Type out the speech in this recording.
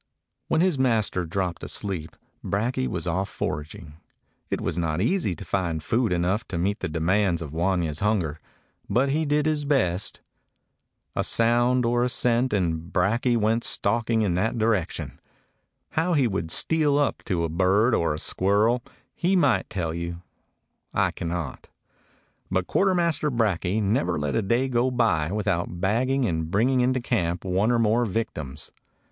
When his master dropped asleep Brakje was off foraging. It was not easy to find food enough to meet the demands of Wanya's hunger, but he did his best. A sound or a scent, and Brakje went stalking in that direction. How he would steal up to a bird or a squirrel he might tell you; I cannot. But Quartermaster Brakje never let a day go by without bagging and bringing into camp one or more victims.